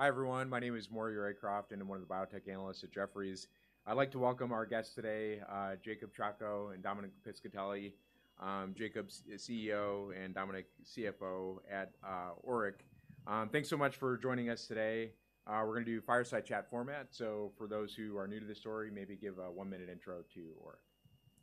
Hi, everyone. My name is Maury Raycroft, and I'm one of the biotech analysts at Jefferies. I'd like to welcome our guests today, Jacob Chacko and Dominic Piscitelli. Jacob is CEO and Dominic, CFO at ORIC. Thanks so much for joining us today. We're gonna do a fireside chat format. So, for those who are new to this story, maybe give a one-minute intro to ORIC.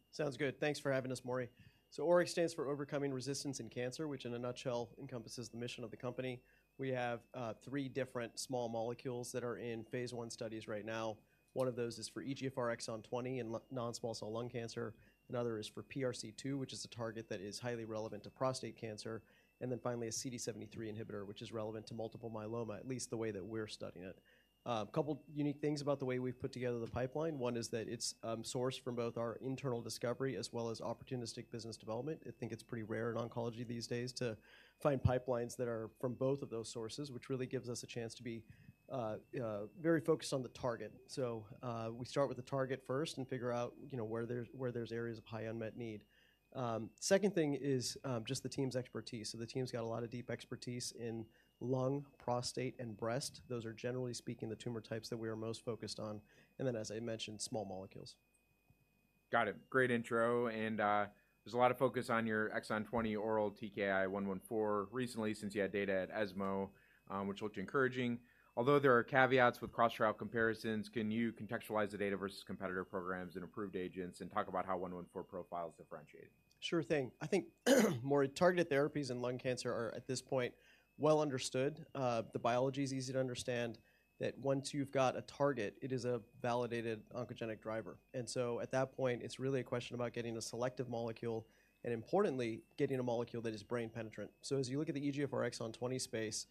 Sounds good. Thanks for having us, Maury. So ORIC stands for Overcoming Resistance in Cancer, which, in a nutshell, encompasses the mission of the company. We have three different small molecules that are in phase I studies right now. One of those is for EGFR exon 20 and non-small cell lung cancer. Another is for PRC2, which is a target that is highly relevant to prostate cancer, and then finally, a CD73 inhibitor, which is relevant to multiple myeloma, at least the way that we're studying it. A couple unique things about the way we've put together the pipeline. One is that it's sourced from both our internal discovery as well as opportunistic business development. I think it's pretty rare in oncology these days to find pipelines that are from both of those sources, which really gives us a chance to be, very focused on the target. So, we start with the target first and figure out, you know, where there's, where there's areas of high unmet need. Second thing is, just the team's expertise. So, the team's got a lot of deep expertise in lung, prostate, and breast. Those are, generally speaking, the tumor types that we are most focused on, and then, as I mentioned, small molecules. Got it. Great intro, and, there's a lot of focus on your exon 20 oral ORIC-114 recently, since you had data at ESMO, which looked encouraging. Although there are caveats with cross-trial comparisons, can you contextualize the data versus competitor programs and approved agents and talk about how ORIC-114 profile is differentiated? Sure thing. I think, Maury, targeted therapies in lung cancer are, at this point, well understood. The biology is easy to understand, that once you've got a target, it is a validated oncogenic driver. And so, at that point, it's really a question about getting a selective molecule and importantly, getting a molecule that is brain-penetrant. So, as you look at the EGFR exon 20 space,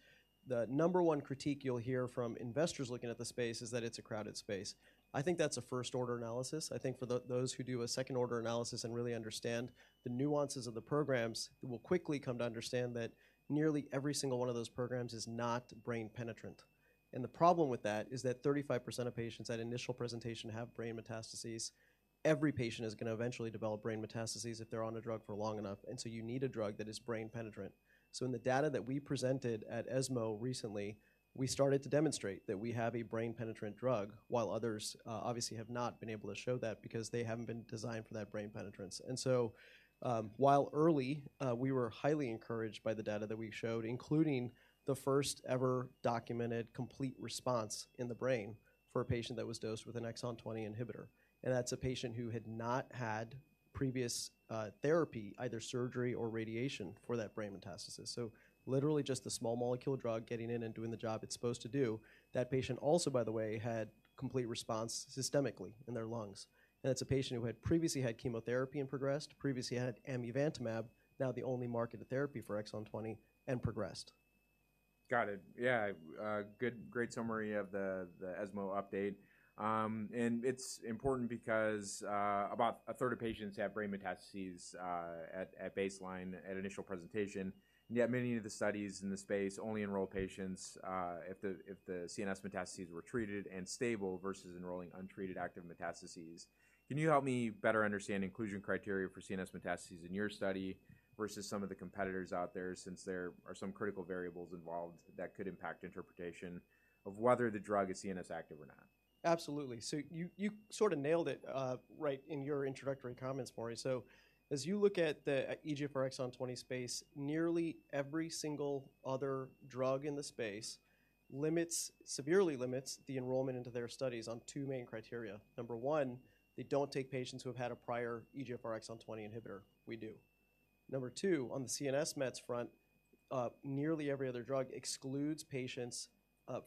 the number one critique you'll hear from investors looking at the space is that it's a crowded space. I think that's a first-order analysis. I think for those who do a second-order analysis and really understand the nuances of the programs will quickly come to understand that nearly every single one of those programs is not brain-penetrant. And the problem with that is that 35% of patients at initial presentation have brain metastases. Every patient is gonna eventually develop brain metastases if they're on a drug for long enough, and so you need a drug that is brain-penetrant. So in the data that we presented at ESMO recently, we started to demonstrate that we have a brain-penetrant drug, while others obviously have not been able to show that because they haven't been designed for that brain penetrance. And so, while early, we were highly encouraged by the data that we showed, including the first-ever documented complete response in the brain for a patient that was dosed with an exon 20 inhibitor, and that's a patient who had not had previous therapy, either surgery or radiation, for that brain metastasis. So literally just the small molecule drug getting in and doing the job it's supposed to do. That patient also, by the way, had complete response systemically in their lungs, and it's a patient who had previously had chemotherapy and progressed, previously had amivantamab, now the only marketed therapy for exon 20, and progressed. Got it. Yeah, good, great summary of the ESMO update. And it's important because about a third of patients have brain metastases at baseline, at initial presentation, and yet many of the studies in this space only enroll patients if the CNS metastases were treated and stable versus enrolling untreated active metastases. Can you help me better understand inclusion criteria for CNS metastases in your study versus some of the competitors out there, since there are some critical variables involved that could impact interpretation of whether the drug is CNS active or not? Absolutely. So you sort of nailed it right in your introductory comments, Maury. So, as you look at the EGFR exon 20 space, nearly every single other drug in the space severely limits the enrollment into their studies on two main criteria. Number one, they don't take patients who have had a prior EGFR exon 20 inhibitor. We do. Number two, on the CNS mets front, nearly every other drug excludes patients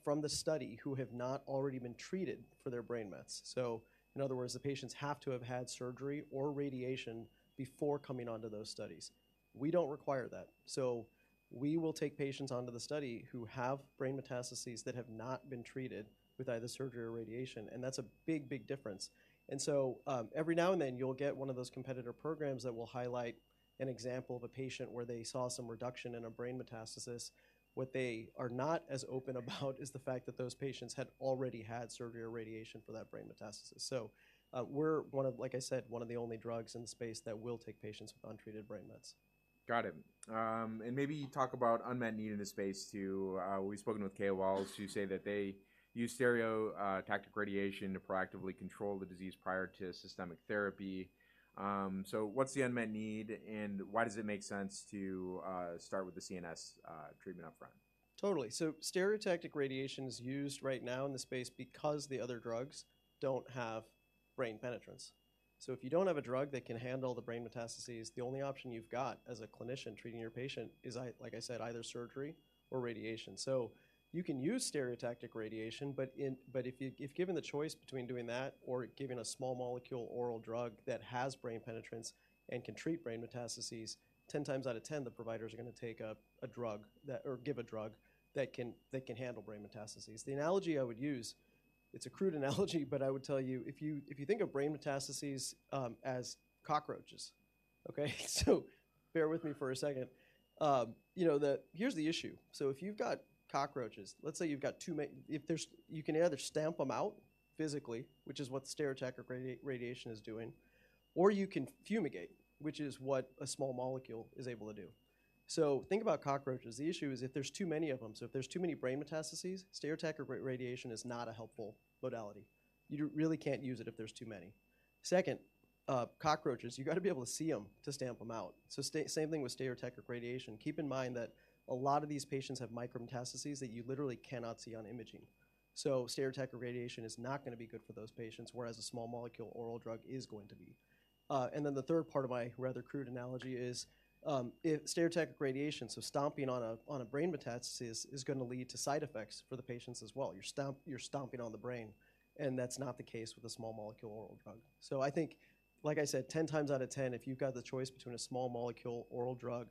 from the study who have not already been treated for their brain mets. So, in other words, the patients have to have had surgery or radiation before coming onto those studies. We don't require that. So, we will take patients onto the study who have brain metastases that have not been treated with either surgery or radiation, and that's a big, big difference. Every now and then, you'll get one of those competitor programs that will highlight an example of a patient where they saw some reduction in a brain metastasis. What they are not as open about is the fact that those patients had already had surgery or radiation for that brain metastasis. We're one of, like I said, one of the only drugs in the space that will take patients with untreated brain mets. Got it. And maybe talk about unmet need in this space, too. We've spoken with Kael Walls, who say that they use stereotactic radiation to proactively control the disease prior to systemic therapy. So, what's the unmet need, and why does it make sense to start with the CNS treatment upfront? Totally. So stereotactic radiation is used right now in the space because the other drugs don't have brain penetrance. So, if you don't have a drug that can handle the brain metastases, the only option you've got as a clinician treating your patient is, like I said, either surgery or radiation. So, you can use stereotactic radiation, but if you, if given the choice between doing that or giving a small molecule oral drug that has brain penetrance and can treat brain metastases, 10 times out of 10, the providers are gonna take a drug that or give a drug that can handle brain metastases. The analogy I would use, it's a crude analogy, but I would tell you, if you think of brain metastases as cockroaches, okay? So, bear with me for a second. You know, the... Here's the issue. So, if you've got cockroaches, let's say if there's... You can either stamp them out physically, which is what stereotactic radiation is doing, or you can fumigate, which is what a small molecule is able to do. So, think about cockroaches. The issue is if there's too many of them, so if there's too many brain metastases, stereotactic radiation is not a helpful modality. You really can't use it if there's too many. Second, cockroaches, you got to be able to see them to stamp them out. So same thing with stereotactic radiation. Keep in mind that a lot of these patients have micrometastases that you literally cannot see on imaging. So stereotactic radiation is not going to be good for those patients, whereas a small molecule oral drug is going to be. And then the third part of my rather crude analogy is, if stereotactic radiation, so stomping on a brain metastasis is going to lead to side effects for the patients as well. You're stomping on the brain, and that's not the case with a small molecule oral drug. So, I think, like I said, 10 times out of 10, if you've got the choice between a small molecule oral drug,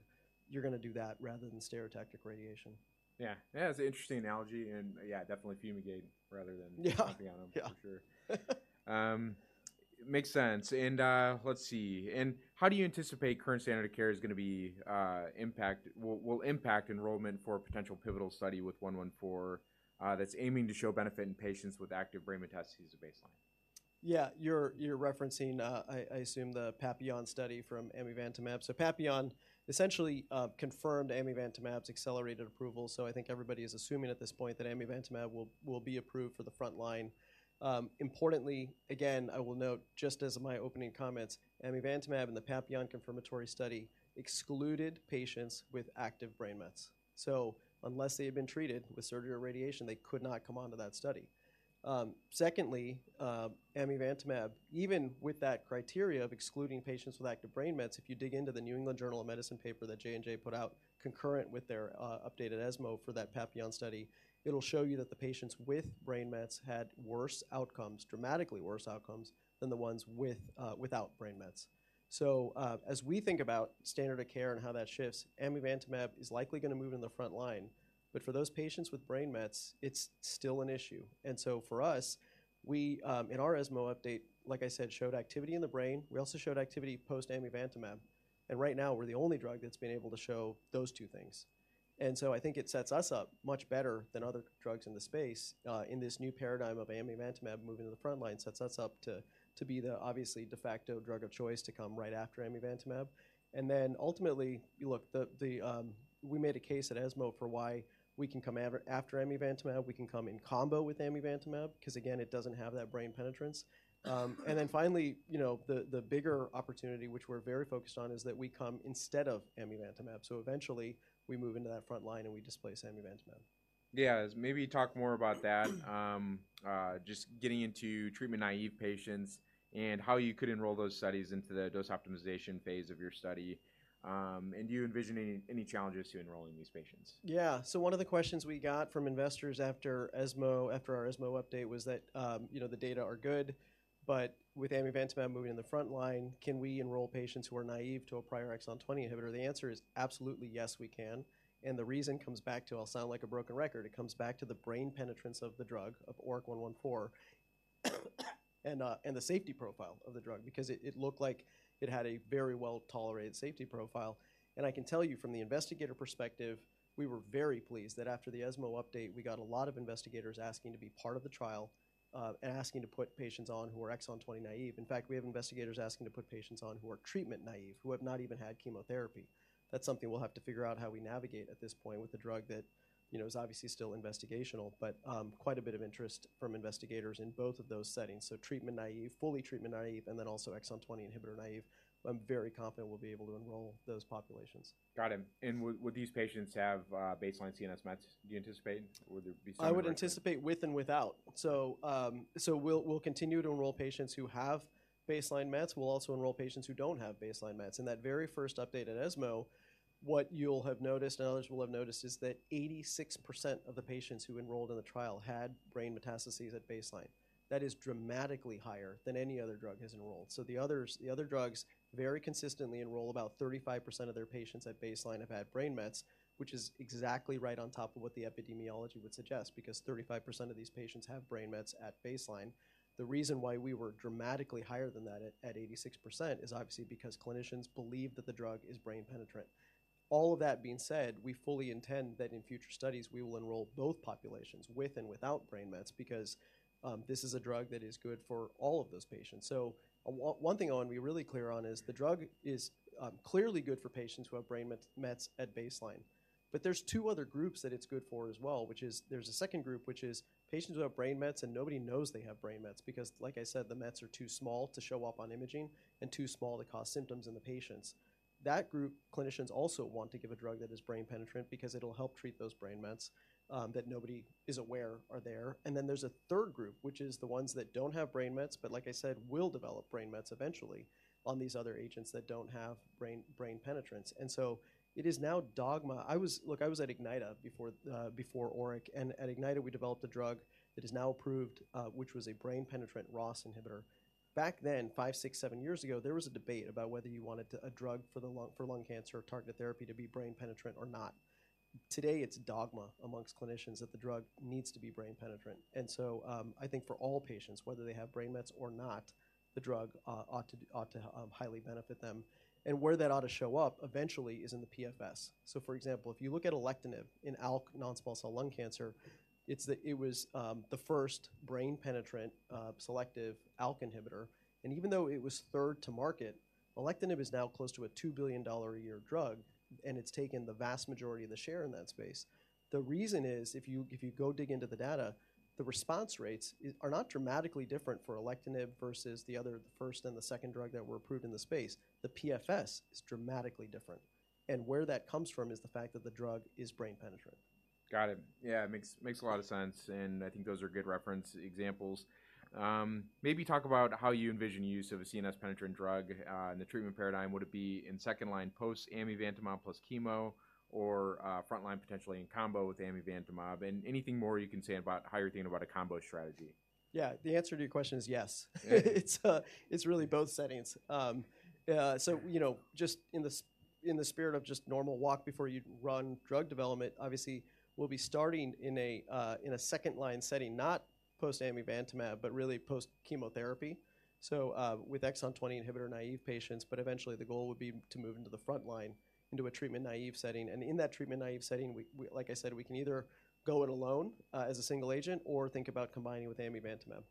you're going to do that rather than stereotactic radiation. Yeah. Yeah, it's an interesting analogy and, yeah, definitely fumigate rather than... Yeah. Stomping on them, for sure. Makes sense. And let's see. And how do you anticipate current standard of care is going to be, will impact enrollment for a potential pivotal study with 114, that's aiming to show benefit in patients with active brain metastases as a baseline? Yeah, you're referencing, I assume, the PAPILLON study from amivantamab. So PAPILLON essentially confirmed amivantamab's accelerated approval, so I think everybody is assuming at this point that amivantamab will be approved for the front line. Importantly, again, I will note, just as in my opening comments, amivantamab and the PAPILLON confirmatory study excluded patients with active brain mets. So, unless they had been treated with surgery or radiation, they could not come onto that study. Secondly, amivantamab, even with that criteria of excluding patients with active brain mets, if you dig into the New England Journal of Medicine paper that J&J put out concurrent with their updated ESMO for that PAPILLON study, it'll show you that the patients with brain mets had worse outcomes, dramatically worse outcomes, than the ones without brain mets. So, as we think about standard of care and how that shifts, amivantamab is likely going to move in the front line. But for those patients with brain mets, it's still an issue. And so, for us, we in our ESMO update, like I said, showed activity in the brain. We also showed activity post-amivantamab, and right now, we're the only drug that's been able to show those two things. And so, I think it sets us up much better than other drugs in the space, in this new paradigm of amivantamab moving to the front line. Sets us up to be the obviously de facto drug of choice to come right after amivantamab. And then, ultimately, you look, the... We made a case at ESMO for why we can come after amivantamab, we can come in combo with amivantamab, cause, again, it doesn't have that brain penetrance. And then finally, you know, the bigger opportunity, which we're very focused on, is that we come instead of amivantamab. So eventually, we move into that front line, and we displace amivantamab. Yeah. Maybe talk more about that, just getting into treatment-naive patients and how you could enroll those studies into the dose optimization phase of your study. And do you envision any, any challenges to enrolling these patients? Yeah. So, one of the questions we got from investors after ESMO, after our ESMO update, was that, you know, the data are good, but with amivantamab moving in the front line, can we enroll patients who are naive to a prior exon 20 inhibitor? The answer is absolutely yes, we can. And the reason comes back to, I'll sound like a broken record, it comes back to the brain penetrance of the drug, of ORIC-114, and the safety profile of the drug because it, it looked like it had a very well-tolerated safety profile. And I can tell you from the investigator perspective, we were very pleased that after the ESMO update, we got a lot of investigators asking to be part of the trial and asking to put patients on who are exon 20 naive. In fact, we have investigators asking to put patients on who are treatment naive, who have not even had chemotherapy. That's something we'll have to figure out how we navigate at this point with a drug that, you know, is obviously still investigational, but quite a bit of interest from investigators in both of those settings. So, treatment naive, fully treatment naive, and then also exon 20 inhibitor naive. I'm very confident we'll be able to enroll those populations. Got it. And would these patients have baseline CNS mets, do you anticipate? Would there be... I would anticipate with and without. So, we'll, we'll continue to enroll patients who have baseline mets. We'll also enroll patients who don't have baseline mets. In that very first update at ESMO, what you'll have noticed, and others will have noticed, is that 86% of the patients who enrolled in the trial had brain metastases at baseline. That is dramatically higher than any other drug has enrolled. So, the others, the other drugs very consistently enroll about 35% of their patients at baseline have had brain mets, which is exactly right on top of what the epidemiology would suggest, because 35% of these patients have brain mets at baseline. The reason why we were dramatically higher than that at 86% is obviously because clinicians believe that the drug is brain penetrant. All of that being said, we fully intend that in future studies, we will enroll both populations with and without brain mets because this is a drug that is good for all of those patients. So one thing I want to be really clear on is the drug is clearly good for patients who have brain mets, mets at baseline. But there's two other groups that it's good for as well, which is there's a second group, which is patients who have brain mets, and nobody knows they have brain mets because, like I said, the mets are too small to show up on imaging and too small to cause symptoms in the patients. That group, clinicians also want to give a drug that is brain penetrant because it'll help treat those brain mets that nobody is aware are there. And then there's a third group, which is the ones that don't have brain mets, but like I said, will develop brain mets eventually on these other agents that don't have brain, brain penetrance. And so, it is now dogma. Look, I was at Ignyta before, before ORIC, and at Ignyta, we developed a drug that is now approved, which was a brain-penetrant ROS inhibitor. Back then, five, six, seven years ago, there was a debate about whether you wanted a drug for the lung, for lung cancer or targeted therapy to be brain penetrant or not. Today, it's dogma amongst clinicians that the drug needs to be brain penetrant. And so, I think for all patients, whether they have brain mets or not, the drug ought to highly benefit them. Where that ought to show up eventually is in the PFS. So, for example, if you look at alectinib in ALK non-small cell lung cancer, it's the... it was the first brain-penetrant, selective ALK inhibitor. Even though it was third to market, alectinib is now close to a $2 billion a year drug, and it's taken the vast majority of the share in that space. The reason is, if you, if you go dig into the dat, the response rates are not dramatically different for alectinib versus the other, the first and the second drug that were approved in the space. The PFS is dramatically different, and where that comes from is the fact that the drug is brain-penetrant. Got it. Yeah, it makes a lot of sense, and I think those are good reference examples. Maybe talk about how you envision use of a CNS-penetrant drug in the treatment paradigm. Would it be in second-line post-amivantamab plus chemo or frontline potentially in combo with amivantamab? And anything more you can say about how you're thinking about a combo strategy. Yeah, the answer to your question is yes. It's, it's really both settings. So, you know, just in the spirit of just normal walk before you run drug development, obviously we'll be starting in a second-line setting, not post-amivantamab, but really post-chemotherapy. So, with exon 20 inhibitor-naive patients, but eventually the goal would be to move into the frontline, into a treatment-naive setting. And in that treatment-naive setting, we... Like I said, we can either go it alone, as a single agent or think about combining with amivantamab.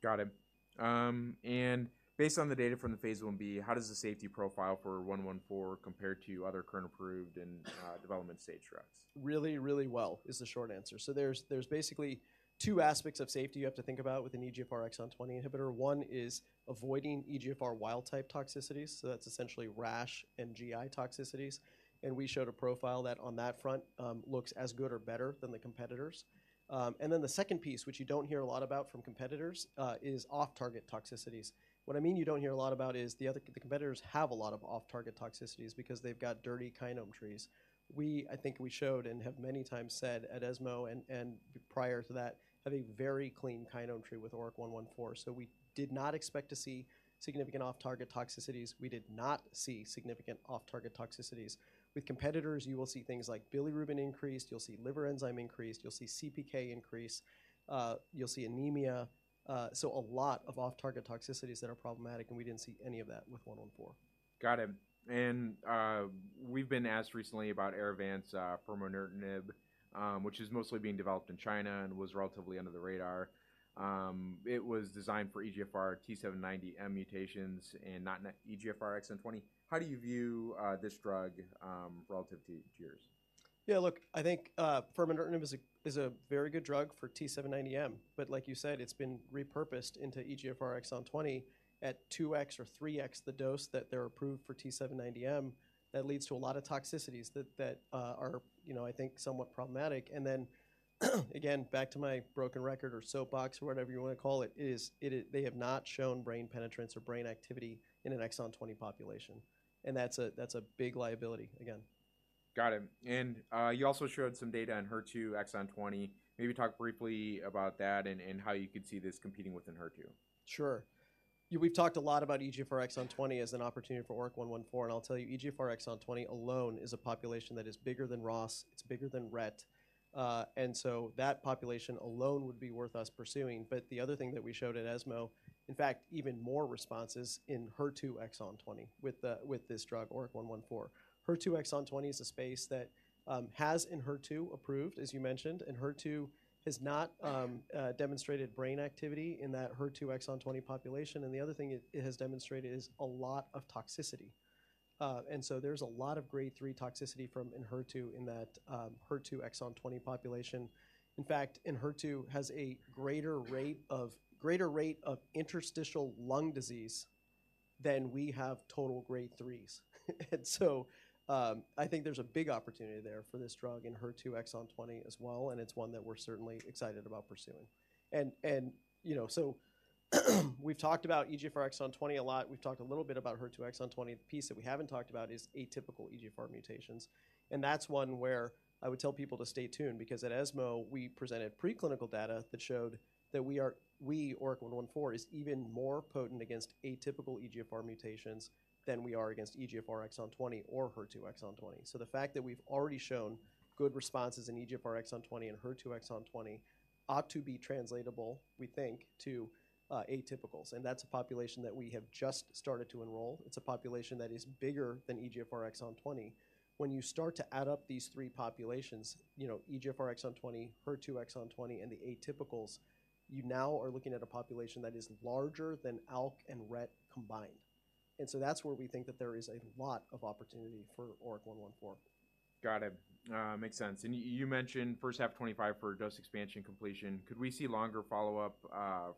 Got it. Based on the data from the phase 1b, how does the safety profile for 114 compare to other current approved and development-stage drugs? Really, really well, is the short answer. So there's basically two aspects of safety you have to think about with an EGFR exon 20 inhibitor. One is avoiding EGFR wild-type toxicities, so that's essentially rash and GI toxicities, and we showed a profile that, on that front, looks as good or better than the competitors. And then the second piece, which you don't hear a lot about from competitors, is off-target toxicities. What I mean you don't hear a lot about is the other, the competitors have a lot of off-target toxicities because they've got dirty kinome trees. I think we showed, and have many times said at ESMO and, prior to that, have a very clean kinome tree with ORIC-114. So, we did not expect to see significant off-target toxicities. We did not see significant off-target toxicities. With competitors, you will see things like bilirubin increased, you'll see liver enzyme increased, you'll see CPK increase, you'll see anemia, so a lot of off-target toxicities that are problematic, and we didn't see any of that with 114. Got it. And we've been asked recently about Arvinas's furmonertinib, which is mostly being developed in China and was relatively under the radar. It was designed for EGFR T790M mutations and not in the EGFR exon 20. How do you view this drug relative to yours? Yeah, look, I think furmonertinib is a very good drug for T790M, but like you said, it's been repurposed into EGFR exon 20 at 2x or 3x the dose that they're approved for T790M. That leads to a lot of toxicities that are, you know, I think, somewhat problematic. And then, again, back to my broken record or soapbox, or whatever you wanna call it, is it, they have not shown brain penetrance or brain activity in an exon 20 population, and that's a big liability again. Got it. And you also showed some data on HER2 exon 20. Maybe talk briefly about that and, and how you could see this competing within HER2. Sure. Yeah, we've talked a lot about EGFR exon 20 as an opportunity for ORIC-114, and I'll tell you, EGFR exon 20 alone is a population that is bigger than ROS1, it's bigger than RET. And so that population alone would be worth us pursuing. But the other thing that we showed at ESMO, in fact, even more responses in HER2 exon 20, with the, with this drug, ORIC-114. HER2 exon 20 is a space that has Enhertu approved, as you mentioned, Enhertu has not demonstrated brain activity in that HER2 exon 20 population, and the other thing it, it has demonstrated is a lot of toxicity. And so, there's a lot of Grade 3 toxicity from Enhertu in that HER2 exon 20 population. In fact, Enhertu has a greater rate of interstitial lung disease than we have total Grade Threes. And so, I think there's a big opportunity there for this drug in HER2 exon 20 as well, and it's one that we're certainly excited about pursuing. And, you know, so we've talked about EGFR exon 20 a lot. We've talked a little bit about HER2 exon 20. The piece that we haven't talked about is atypical EGFR mutations, and that's one where I would tell people to stay tuned because at ESMO, we presented preclinical data that showed that ORIC-114 is even more potent against atypical EGFR mutations than we are against EGFR exon 20 or HER2 exon 20. So, the fact that we've already shown good responses in EGFR exon 20 and HER2 exon 20 ought to be translatable, we think, to atypicals, and that's a population that we have just started to enroll. It's a population that is bigger than EGFR exon 20. When you start to add up these three populations, you know, EGFR exon 20, HER2 exon 20, and the atypicals, you now are looking at a population that is larger than ALK and RET combined. And so that's where we think that there is a lot of opportunity for ORIC-114. Got it. Makes sense. And you mentioned first half of 2025 for dose expansion completion. Could we see longer follow-up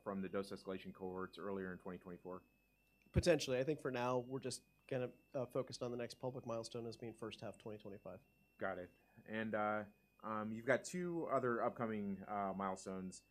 from the dose escalation cohorts earlier in 2024? Potentially. I think for now, we're just kind of, focused on the next public milestone as being first half 2025. Got it. And, you've got two other upcoming milestones,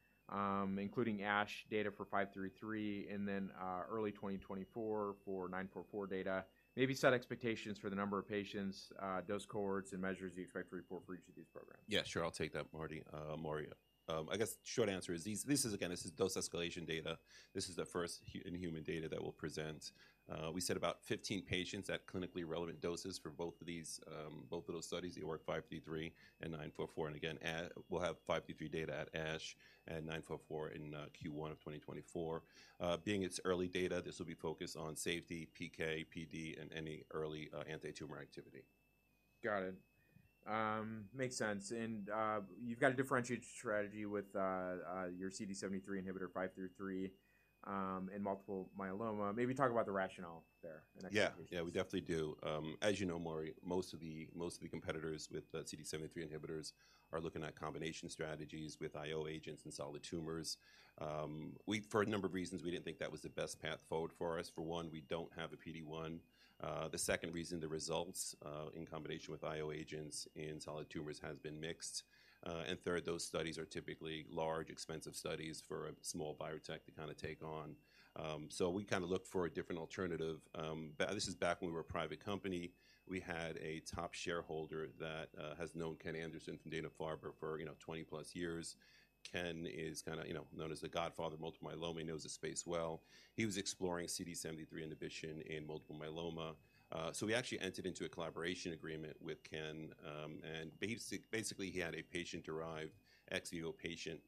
including ASH data for 533, and then, early 2024 for 944 data. Maybe set expectations for the number of patients, dose cohorts, and measures you expect to report for each of these programs. Yeah, sure. I'll take that, Maury Raycroft. I guess short answer is this is again, this is dose escalation data. This is the first in-human data that we'll present. We said about 15 patients at clinically relevant doses for both of these, both of those studies, the ORIC-533 and ORIC-944. And again, we'll have ORIC-533 data at ASH and ORIC-944 in Q1 of 2024. Being its early data, this will be focused on safety, PK, PD, and any early anti-tumor activity. Got it. Makes sense. And you've got a differentiated strategy with your CD73 inhibitor 533 in multiple myeloma. Maybe talk about the rationale there and execution. Yeah. Yeah, we definitely do. As you know, Maury, most of the, most of the competitors with CD73 inhibitors are looking at combination strategies with IO agents and solid tumors. We, for a number of reasons, didn't think that was the best path forward for us. For one, we don't have a PD-1. The second reason, the results in combination with IO agents in solid tumors has been mixed. And third, those studies are typically large, expensive studies for a small biotech to kind of take on. So, we kind of looked for a different alternative. This is back when we were a private company. We had a top shareholder that has known Ken Anderson from Dana-Farber for, you know, 20-plus years. Ken is kinda, you know, known as the godfather of multiple myeloma. He knows the space well. He was exploring CD73 inhibition in multiple myeloma. So we actually entered into a collaboration agreement with Ken, and basically, he had a patient-derived ex vivo patient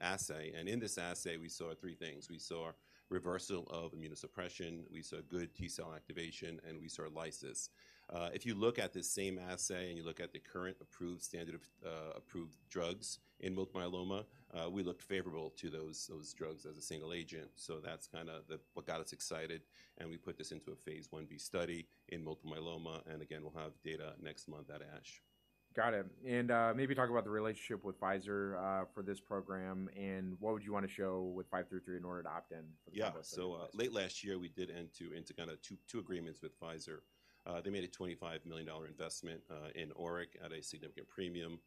assay, and in this assay, we saw three things. We saw reversal of immunosuppression, we saw good T cell activation, and we saw lysis. If you look at the same assay, and you look at the current approved standard of approved drugs in multiple myeloma, we looked favorable to those drugs as a single agent, so that's kinda what got us excited, and we put this into a phase 1b study in multiple myeloma, and again, we'll have data next month at ASH. Got it. And maybe talk about the relationship with Pfizer for this program, and what would you want to show with 533 in order to opt-in for... Yeah. So, late last year, we did enter into kinda two, two agreements with Pfizer. They made a $25 million investment in ORIC at a significant premium.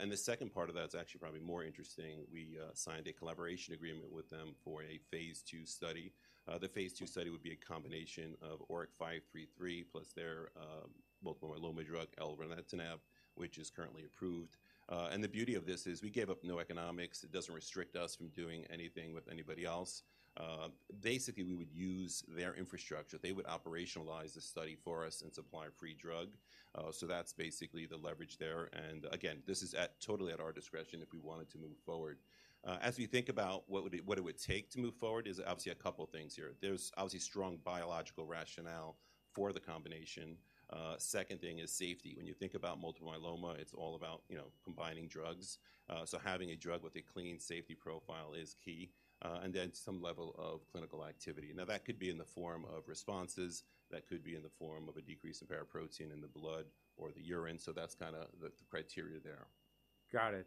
And the second part of that is actually probably more interesting. We signed a collaboration agreement with them for a phase 2 study. The phase 2 study would be a combination of ORIC-533 plus their multiple myeloma drug, elranatamab, which is currently approved. And the beauty of this is we gave up no economics. It doesn't restrict us from doing anything with anybody else. Basically, we would use their infrastructure. They would operationalize the study for us and supply the drug. So that's basically the leverage there, and again, this is totally at our discretion if we wanted to move forward. As we think about what would be—what it would take to move forward, is obviously a couple things here. There's obviously strong biological rationale for the combination. Second thing is safety. When you think about multiple myeloma, it's all about, you know, combining drugs. So having a drug with a clean safety profile is key, and then some level of clinical activity. Now, that could be in the form of responses, that could be in the form of a decrease in paraprotein in the blood or the urine, so that's kinda the criteria there. Got it.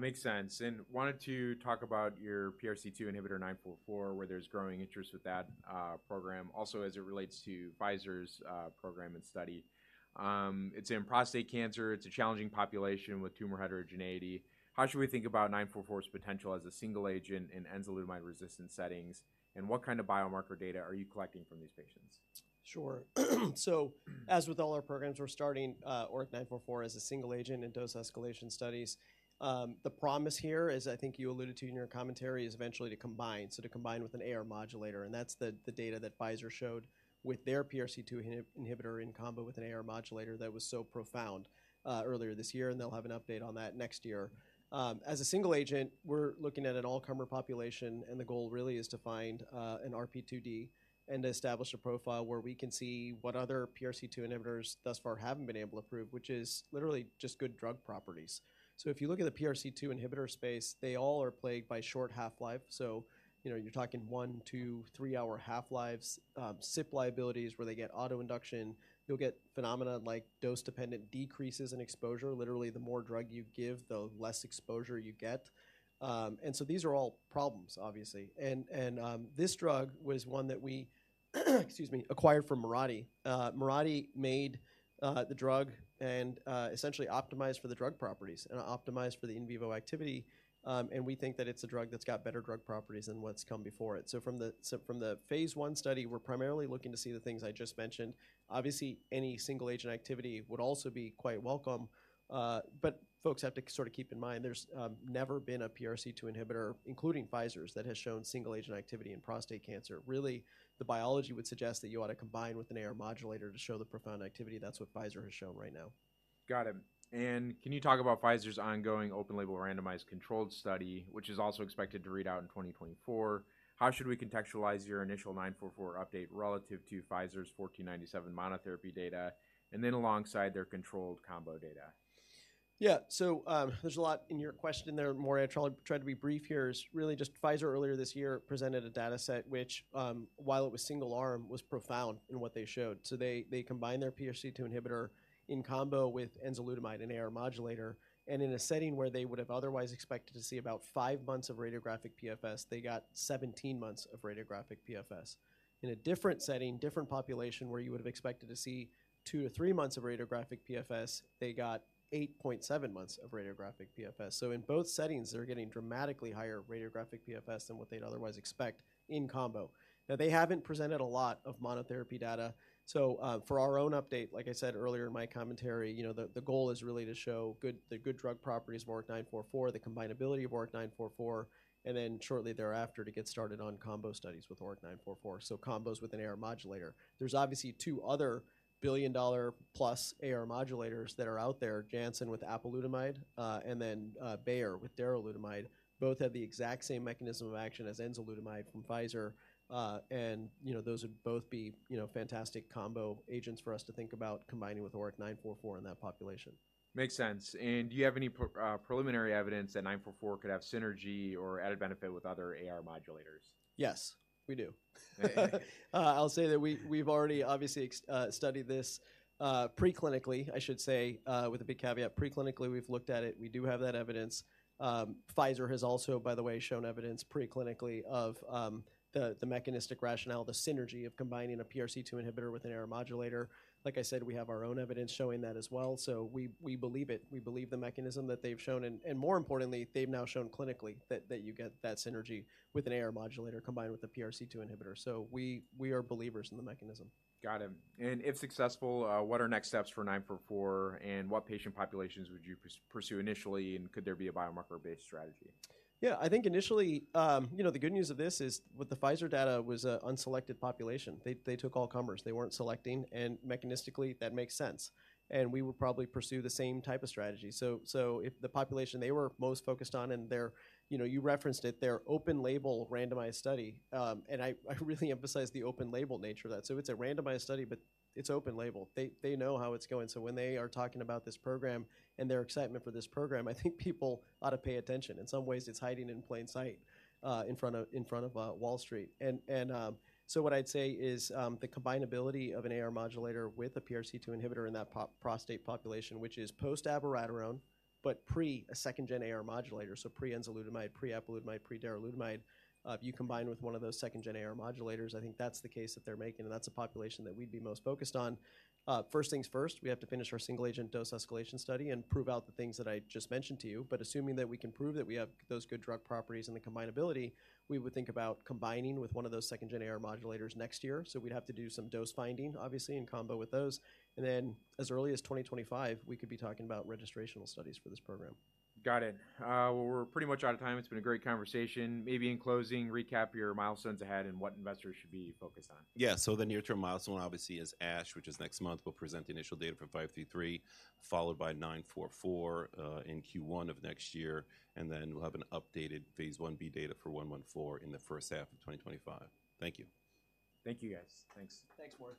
Makes sense. Wanted to talk about your PRC2 inhibitor 944, where there's growing interest with that program, also as it relates to Pfizer's program and study. It's in prostate cancer. It's a challenging population with tumor heterogeneity. How should we think about 944's potential as a single agent in enzalutamide-resistant settings, and what kind of biomarker data are you collecting from these patients? Sure. So as with all our programs, we're starting ORIC-944 as a single agent in dose escalation studies. The promise here, as I think you alluded to in your commentary, is eventually to combine, so to combine with an AR modulator, and that's the data that Pfizer showed with their PRC2 inhibitor in combo with an AR modulator that was so profound earlier this year, and they'll have an update on that next year. As a single agent, we're looking at an all-comer population, and the goal really is to find an RP2D and establish a profile where we can see what other PRC2 inhibitors thus far haven't been able to prove, which is literally just good drug properties. So, if you look at the PRC2 inhibitor space, they all are plagued by short half-life. So, you know, you're talking one-to-three-hour half-lives, CYP liabilities, where they get autoinduction. You'll get phenomena like dose-dependent decreases in exposure. Literally, the more drug you give, the less exposure you get. And so, these are all problems, obviously. And this drug was one that we, excuse me, acquired from Mirati. Mirati made the drug and essentially optimized for the drug properties and optimized for the in vivo activity, and we think that it's a drug that's got better drug properties than what's come before it. So, from the phase 1 study, we're primarily looking to see the things I just mentioned. Obviously, any single-agent activity would also be quite welcome, but folks have to sort of keep in mind, there's never been a PRC2 inhibitor, including Pfizer's, that has shown single-agent activity in prostate cancer. Really, the biology would suggest that you ought to combine with an AR modulator to show the profound activity. That's what Pfizer has shown right now. Got it. And can you talk about Pfizer's ongoing open-label, randomized, controlled study, which is also expected to read out in 2024? How should we contextualise your initial 944 update relative to Pfizer's 1497 monotherapy data, and then alongside their controlled combo data? Yeah, so, there's a lot in your question there, Maury. I try to be brief here is really just Pfizer earlier this year presented a data set, which, while it was single arm, was profound in what they showed. So, they combined their PRC2 inhibitor in combo with enzalutamide, an AR modulator, and in a setting where they would have otherwise expected to see about 5 months of radiographic PFS, they got 17 months of radiographic PFS. In a different setting, different population, where you would've expected to see two to three months of radiographic PFS, they got 8.7 months of radiographic PFS. So, in both settings, they're getting dramatically higher radiographic PFS than what they'd otherwise expect in combo. Now, they haven't presented a lot of monotherapy data, so for our own update, like I said earlier in my commentary, you know, the goal is really to show the good drug properties of ORIC-944, the combinability of ORIC-944, and then shortly thereafter, to get started on combo studies with ORIC-944, so combos with an AR modulator. There's obviously two other billion-dollar-plus AR modulators that are out there, Janssen with apalutamide, and then Bayer with darolutamide. Both have the exact same mechanism of action as enzalutamide from Pfizer, and you know, those would both be you know, fantastic combo agents for us to think about combining with ORIC-944 in that population. Makes sense. Do you have any preliminary evidence that 944 could have synergy or added benefit with other AR modulators? Yes, we do. I'll say that we, we've already obviously studied this preclinically, I should say, with a big caveat. Preclinically, we've looked at it, and we do have that evidence. Pfizer has also, by the way, shown evidence preclinically of the mechanistic rationale, the synergy of combining a PRC2 inhibitor with an AR modulator. Like I said, we have our own evidence showing that as well, so we, we believe it. We believe the mechanism that they've shown, and more importantly, they've now shown clinically that you get that synergy with an AR modulator combined with a PRC2 inhibitor. So, we are believers in the mechanism. Got it. And if successful, what are next steps for 944, and what patient populations would you pursue initially, and could there be a biomarker-based strategy? Yeah, I think initially, you know, the good news of this is with the Pfizer data was a unselected population. They, they took all comers. They weren't selecting, and mechanistically, that makes sense, and we would probably pursue the same type of strategy. So, so if the population they were most focused on and their... You know, you referenced it, their open-label randomized study, and I really emphasize the open-label nature of that. So, it's a randomized study, but it's open label. They, they know how it's going, so when they are talking about this program and their excitement for this program, I think people ought to pay attention. In some ways, it's hiding in plain sight, in front of Wall Street. What I'd say is, the combinability of an AR modulator with a PRC2 inhibitor in that prostate population, which is post-abiraterone, but pre a second-gen AR modulator, so pre-enzalutamide, pre-apalutamide, pre-darolutamide. If you combine with one of those second-gen AR modulators, I think that's the case that they're making, and that's a population that we'd be most focused on. First things first, we have to finish our single-agent dose escalation study and prove out the things that I just mentioned to you, but assuming that we can prove that we have those good drug properties and the combinability, we would think about combining with one of those second-gen AR modulators next year. So, we'd have to do some dose finding, obviously, in combo with those. And then, as early as 2025, we could be talking about registrational studies for this program. Got it. Well, we're pretty much out of time. It's been a great conversation. Maybe in closing, recap your milestones ahead and what investors should be focused on. Yeah, so the near-term milestone obviously is ASH, which is next month. We'll present the initial data for 533, followed by 944, in Q1 of next year, and then we'll have an updated phase 1b data for 114 in the first half of 2025. Thank you. Thank you, guys. Thanks. Thanks, Maury.